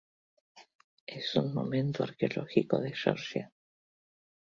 Es un monumento arqueológico de Georgia.